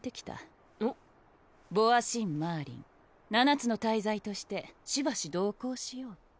暴食の罪マーリン七つの大罪としてしばし同行しよう。